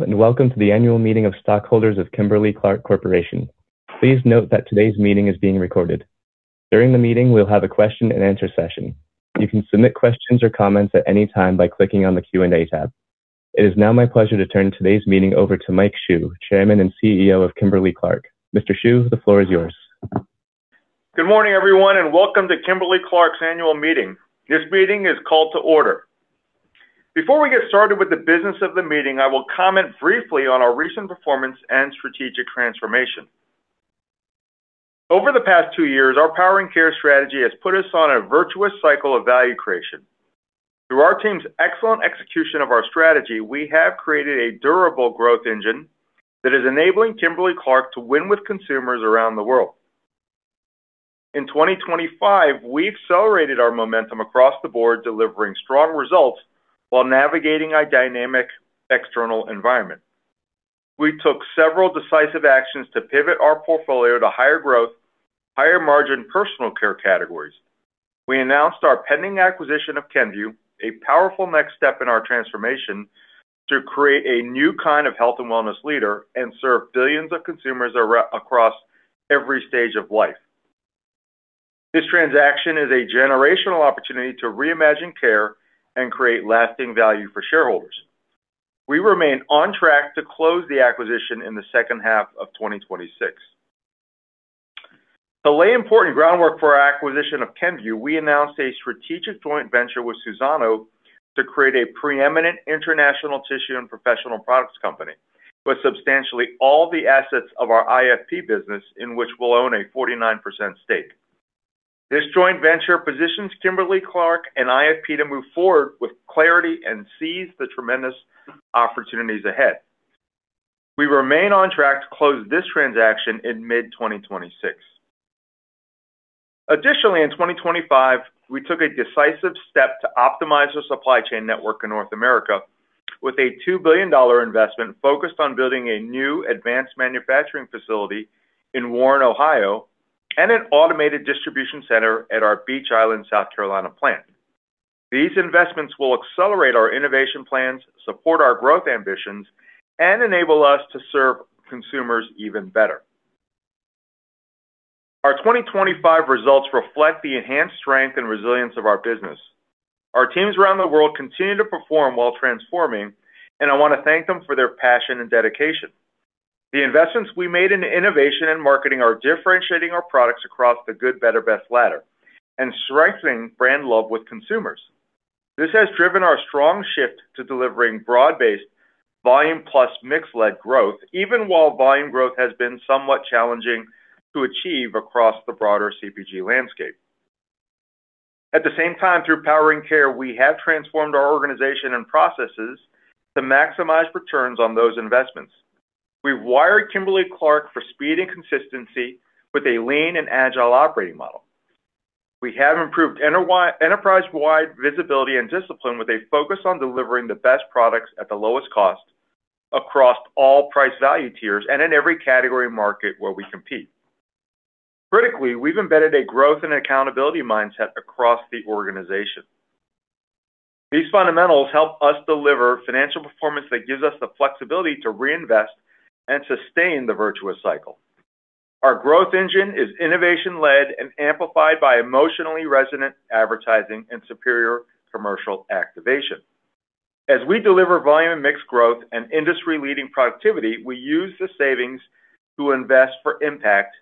Hello, welcome to the annual meeting of stockholders of Kimberly-Clark Corporation. Please note that today's meeting is being recorded. During the meeting, we'll have a question-and-answer session. You can submit questions or comments at any time by clicking on the Q&A tab. It is now my pleasure to turn today's meeting over to Mike Hsu, Chairman and CEO of Kimberly-Clark. Mr. Hsu, the floor is yours. Good morning, everyone, and welcome to Kimberly-Clark's annual meeting. This meeting is called to order. Before we get started with the business of the meeting, I will comment briefly on our recent performance and strategic transformation. Over the past two years, our Powering Care strategy has put us on a virtuous cycle of value creation. Through our team's excellent execution of our strategy, we have created a durable growth engine that is enabling Kimberly-Clark to win with consumers around the world. In 2025, we accelerated our momentum across the board, delivering strong results while navigating a dynamic external environment. We took several decisive actions to pivot our portfolio to higher growth, higher margin personal care categories. We announced our pending acquisition of Kenvue, a powerful next step in our transformation to create a new kind of health and wellness leader and serve billions of consumers across every stage of life. This transaction is a generational opportunity to reimagine care and create lasting value for shareholders. We remain on track to close the acquisition in the second half of 2026. To lay important groundwork for our acquisition of Kenvue, we announced a strategic joint venture with Suzano to create a preeminent international tissue and professional products company, with substantially all the assets of our IFP business, in which we'll own a 49% stake. This joint venture positions Kimberly-Clark and IFP to move forward with clarity and seize the tremendous opportunities ahead. We remain on track to close this transaction in mid-2026. Additionally, in 2025, we took a decisive step to optimize our supply chain network in North America with a $2 billion investment focused on building a new advanced manufacturing facility in Warren, Ohio, and an automated distribution center at our Beech Island, South Carolina plant. These investments will accelerate our innovation plans, support our growth ambitions, and enable us to serve consumers even better. Our 2025 results reflect the enhanced strength and resilience of our business. Our teams around the world continue to perform while transforming, and I want to thank them for their passion and dedication. The investments we made in innovation and marketing are differentiating our products across the good, better, best ladder and strengthening brand love with consumers. This has driven our strong shift to delivering broad-based volume plus mix-led growth, even while volume growth has been somewhat challenging to achieve across the broader CPG landscape. At the same time, through Powering Care, we have transformed our organization and processes to maximize returns on those investments. We wired Kimberly-Clark for speed and consistency with a lean and agile operating model. We have improved enterprise-wide visibility and discipline with a focus on delivering the best products at the lowest cost across all price value tiers and in every category market where we compete. Critically, we've embedded a growth and accountability mindset across the organization. These fundamentals help us deliver financial performance that gives us the flexibility to reinvest and sustain the virtuous cycle. Our growth engine is innovation-led and amplified by emotionally resonant advertising and superior commercial activation. As we deliver volume and mixed growth and industry-leading productivity, we use the savings to invest for impact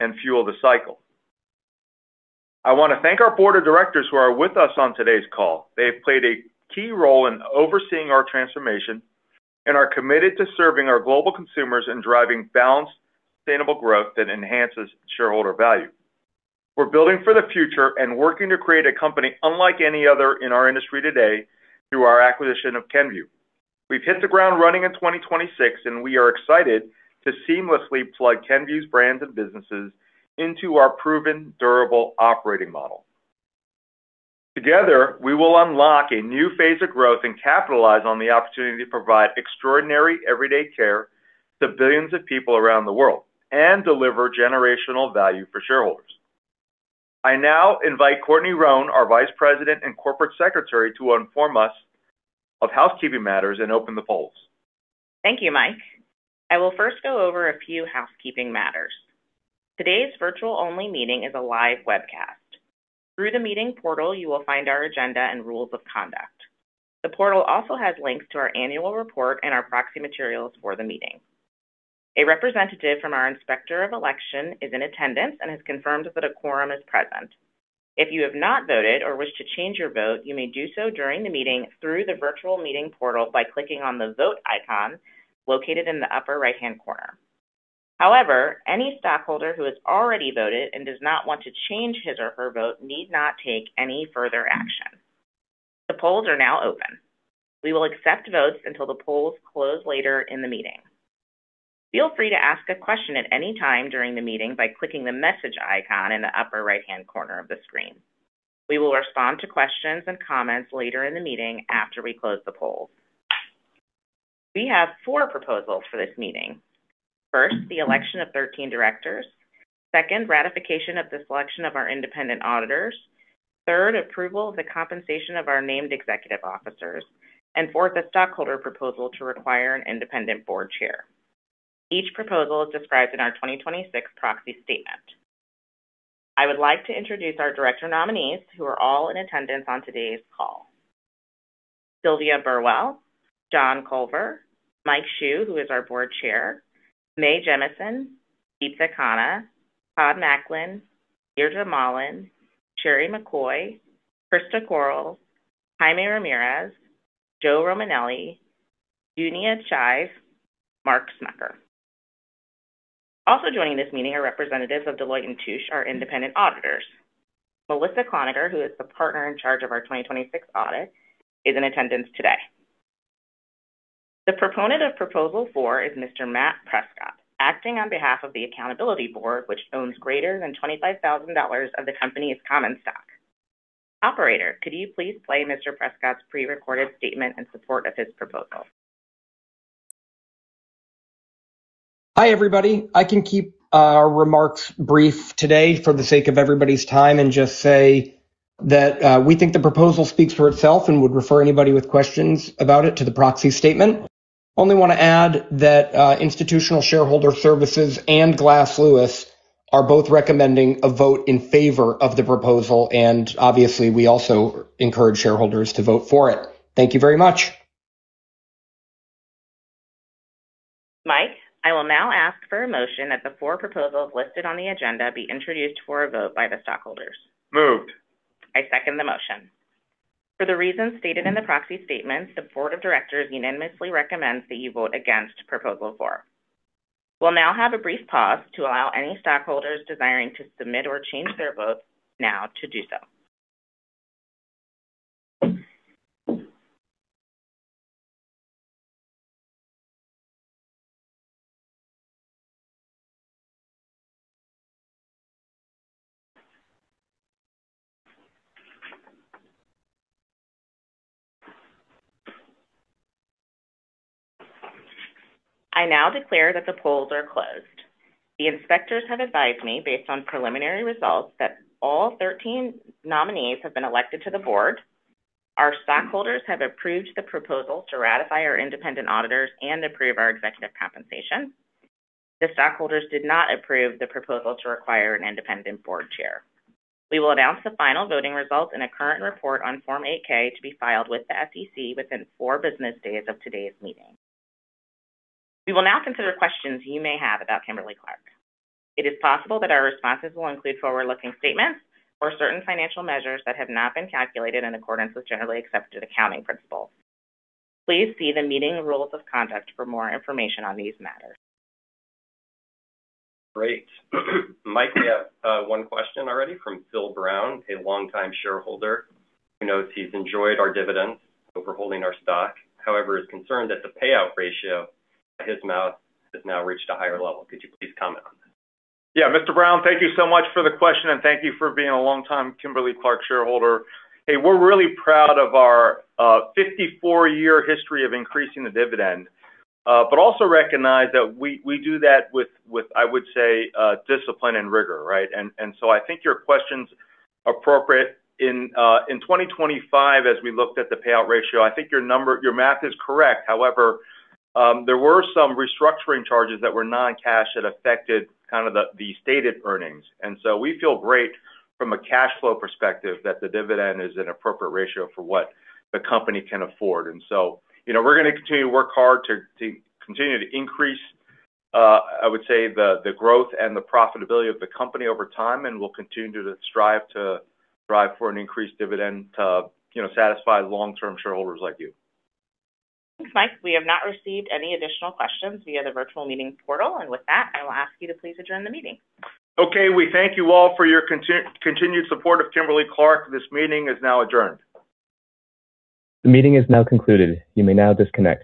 and fuel the cycle. I want to thank our board of directors who are with us on today's call. They have played a key role in overseeing our transformation and are committed to serving our global consumers and driving balanced, sustainable growth that enhances shareholder value. We're building for the future and working to create a company unlike any other in our industry today through our acquisition of Kenvue. We've hit the ground running in 2026. We are excited to seamlessly plug Kenvue's brands and businesses into our proven durable operating model. Together, we will unlock a new phase of growth and capitalize on the opportunity to provide extraordinary everyday care to billions of people around the world and deliver generational value for shareholders. I now invite Courtney Roane, our Vice President and Corporate Secretary, to inform us of housekeeping matters and open the polls. Thank you, Mike. I will first go over a few housekeeping matters. Today's virtual-only meeting is a live webcast. Through the meeting portal, you will find our agenda and rules of conduct. The portal also has links to our annual report and our proxy materials for the meeting. A representative from our inspector of election is in attendance and has confirmed that a quorum is present. If you have not voted or wish to change your vote, you may do so during the meeting through the virtual meeting portal by clicking on the vote icon located in the upper right-hand corner. However, any stockholder who has already voted and does not want to change his or her vote need not take any further action. The polls are now open. We will accept votes until the polls close later in the meeting. Feel free to ask a question at any time during the meeting by clicking the message icon in the upper right-hand corner of the screen. We will respond to questions and comments later in the meeting after we close the polls. We have four proposals for this meeting. First, the election of 13 directors. Second, ratification of the selection of our independent auditors. Third, approval of the compensation of our named executive officers. Fourth, a stockholder proposal to require an independent board chair. Each proposal is described in our 2026 proxy statement. I would like to introduce our director nominees who are all in attendance on today's call. Sylvia Burwell, John Culver, Mike Hsu, who is our board chair, Mae Jemison, Deeptha Khanna, Todd Maclin, Deirdre Mahlan, Sheri McCoy, Christa Quarles, Jaime Ramirez, Joe Romanelli, Dunia Shive, Mark Smucker. Also joining this meeting are representatives of Deloitte & Touche, our independent auditors. Melissa Cloninger, who is the partner in charge of our 2026 audit, is in attendance today. The proponent of proposal four is Mr. Matt Prescott, acting on behalf of The Accountability Board, which owns greater than $25,000 of the company's common stock. Operator, could you please play Mr. Prescott's prerecorded statement in support of his proposal? Hi, everybody. I can keep our remarks brief today for the sake of everybody's time and just say that we think the proposal speaks for itself and would refer anybody with questions about it to the proxy statement. I only want to add that Institutional Shareholder Services and Glass Lewis are both recommending a vote in favor of the proposal. Obviously, we also encourage shareholders to vote for it. Thank you very much. Mike, I will now ask for a motion that the four proposals listed on the agenda be introduced for a vote by the stockholders. Moved. I second the motion. For the reasons stated in the proxy statement, the board of directors unanimously recommends that you vote against proposal four. We'll now have a brief pause to allow any stockholders desiring to submit or change their votes now to do so. I now declare that the polls are closed. The inspectors have advised me, based on preliminary results, that all 13 nominees have been elected to the board. Our stockholders have approved the proposal to ratify our independent auditors and approve our executive compensation. The stockholders did not approve the proposal to require an independent board chair. We will announce the final voting results in a current report on Form 8-K to be filed with the SEC within four business days of today's meeting. We will now consider questions you may have about Kimberly-Clark. It is possible that our responses will include forward-looking statements or certain financial measures that have not been calculated in accordance with generally accepted accounting principles. Please see the meeting rules of conduct for more information on these matters. Great. Mike, we have one question already from Phil Brown, a longtime shareholder, who notes he's enjoyed our dividends over holding our stock, however, is concerned that the payout ratio at his math has now reached a higher level. Could you please comment on this? Mr. Brown, thank you so much for the question, and thank you for being a longtime Kimberly-Clark shareholder. Hey, we're really proud of our 54-year history of increasing the dividend, but also recognize that we do that with discipline and rigor, right? I think your question's appropriate. In 2025, as we looked at the payout ratio, I think your math is correct. However, there were some restructuring charges that were non-cash that affected kind of the stated earnings. We feel great from a cash flow perspective that the dividend is an appropriate ratio for what the company can afford. You know, we're gonna continue to work hard to continue to increase the growth and the profitability of the company over time, and we'll continue to strive for an increased dividend to, you know, satisfy long-term shareholders like you. Thanks, Mike. We have not received any additional questions via the virtual meeting portal. With that, I will ask you to please adjourn the meeting. Okay. We thank you all for your continued support of Kimberly-Clark. This meeting is now adjourned. The meeting is now concluded. You may now disconnect.